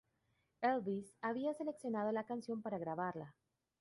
Elvis había seleccionado la canción para grabarla.